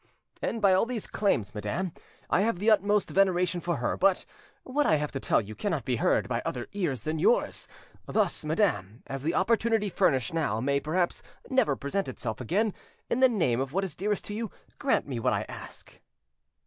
"And by all these claims, madam, I have the utmost veneration for her; but what I have to tell you cannot be heard by other ears than yours. Thus, madam, as the opportunity furnished now may perhaps never present itself again, in the name of what is dearest to you, grant me what I ask."